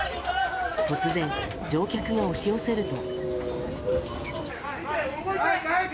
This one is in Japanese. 突然、乗客が押し寄せると。